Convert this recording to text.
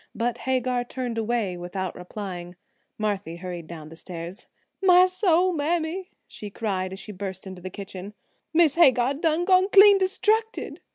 But Hagar turned away without replying. Marthy hurried down stairs. "My soul, Mammy," she cried as she burst into the kitchen, "Miss Hagar done gone clean destructed."